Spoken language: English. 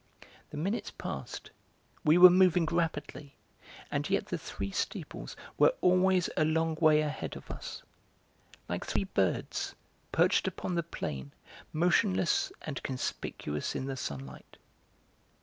The minutes passed, we were moving rapidly, and yet the three steeples were always a long way ahead of us, like three birds perched upon the plain, motionless and conspicuous in the sunlight.